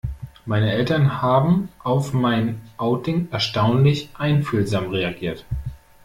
Meine Eltern haben auf mein Outing erstaunlich einfühlsam reagiert.